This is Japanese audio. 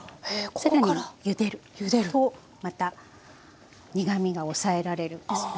更にゆでるとまた苦みが抑えられるんですよね。